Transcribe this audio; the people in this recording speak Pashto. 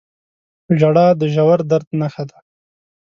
• ژړا د ژور درد نښه ده.